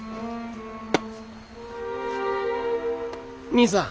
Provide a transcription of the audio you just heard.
兄さん。